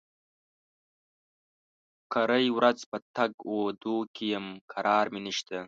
کرۍ ورځ په تګ و دو کې يم؛ کرار مې نشته.